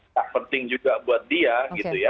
tak penting juga buat dia gitu ya